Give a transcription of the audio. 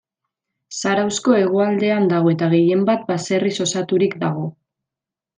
Zarauzko hegoaldean dago, eta gehienbat baserriz osaturik dago.